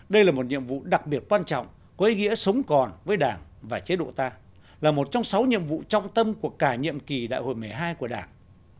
đây là một nhiệm vụ đặc biệt quan trọng có ý nghĩa sống còn với đảng và chế độ ta là một trong sáu nhiệm vụ trọng tâm của cả nhiệm kỳ đại hội một mươi hai của đảng